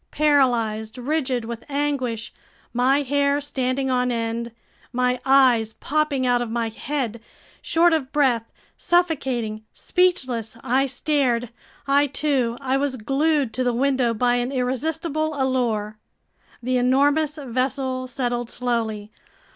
Paralyzed, rigid with anguish, my hair standing on end, my eyes popping out of my head, short of breath, suffocating, speechless, I stared—I too! I was glued to the window by an irresistible allure! The enormous vessel settled slowly.